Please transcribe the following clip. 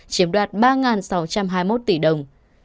chiếm đoạt ba sáu trăm hai mươi một tỷ đồng